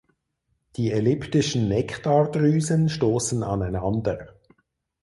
Die elliptischen Nektardrüsen stoßen aneinander.